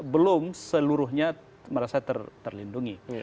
belum seluruhnya merasa terlindungi